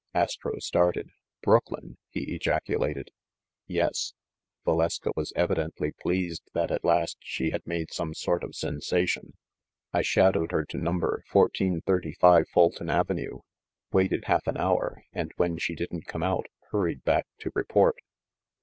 Astro started. "Brooklyn?" he ejaculated. "Yes." Valeska was evidently pleased that at last she had made some sort of sensation. "I shadowed her to number 1435 Fulton Avenue, waited half an hour, and, when she didn't come out, hurried back to report."